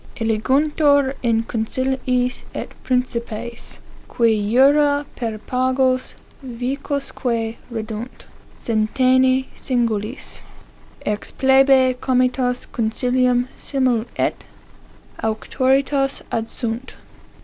' Eliguntur in conciliis et principes, qui jura per pagos vicosque reddunt, centenii singulis, ex plebe comites comcilium simul et auctoritas adsunt.